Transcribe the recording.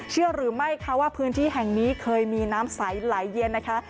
เชื่อหรือไม่คะว่าพื้นที่แห่งนี้เคยมีน้ำใสไหลเย็นนะคะ